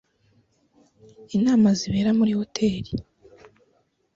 inama zibera muri hoteli